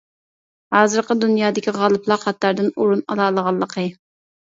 ھازىرقى دۇنيادىكى غالىپلار قاتارىدىن ئورۇن ئالالىغانلىقى.